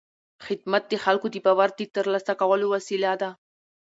خدمت د خلکو د باور د ترلاسه کولو وسیله ده.